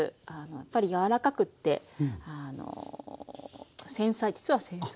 やっぱり柔らかくてあの実は繊細。